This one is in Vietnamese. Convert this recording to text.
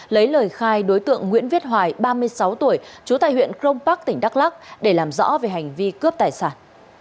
lấy lời khai đối tượng nguyễn viết hoài ba mươi sáu tuổi trú tại huyện crong park tỉnh đắk lắc để làm rõ về hành vi cướp tài sản